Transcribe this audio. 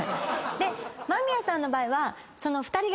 で間宮さんの場合は。